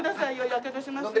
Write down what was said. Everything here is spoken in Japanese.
やけどしますよ。